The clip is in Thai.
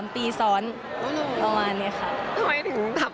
๓ปีซ้อนประมาณนี้ค่ะ